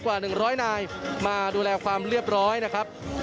กว่า๑๐๐นายมาดูแลความเรียบร้อยนะครับ